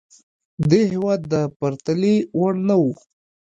دې هېواد د پرتلې وړ نه وه.